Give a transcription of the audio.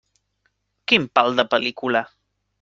Quin pal de pel·lícula.